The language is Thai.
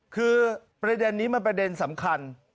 คือประเด็นนี้มันประเด็นสำคัญ